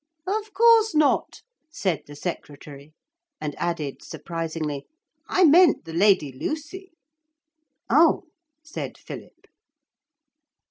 'Of course not,' said the secretary; and added surprisingly, 'I meant the Lady Lucy.' 'Oh!' said Philip.